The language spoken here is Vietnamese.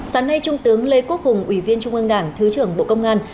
sáng nay trung tướng lê quốc hùng ủy viên trung ương đảng thứ trưởng bộ công an